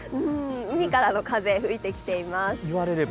海からの風、吹いてきています。